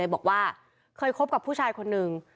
บอกว่าเคยคบกับผู้ชายคนนึง